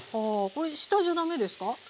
これ下じゃ駄目ですか？